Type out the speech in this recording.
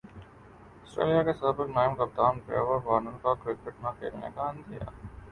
Australia کے سابق نائب کپتان ڈیوڈ وارنر کا کرکٹ نہ کھیلنے کا عندیہ